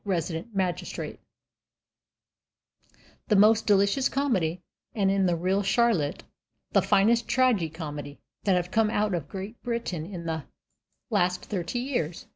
_, Resident Magistrate), the most delicious comedy, and in The Real Charlotte the finest tragi comedy, that have come out of Great Britain in the last thirty years.